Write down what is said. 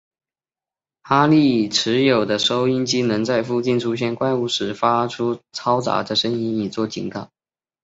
哈利持有的收音机能在附近出现怪物时发出嘈杂的声音以作警告。